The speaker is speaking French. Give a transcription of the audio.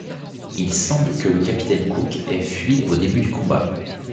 Il semble que le capitaine Cook ait fui au début du combat.